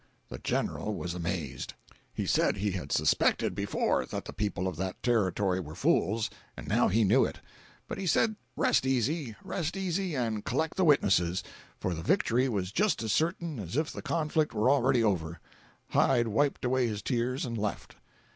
The General was amazed. He said he had suspected before that the people of that Territory were fools, and now he knew it. But he said rest easy, rest easy and collect the witnesses, for the victory was just as certain as if the conflict were already over. Hyde wiped away his tears and left.